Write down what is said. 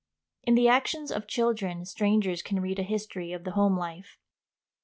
In the actions of children strangers can read a history of the home life.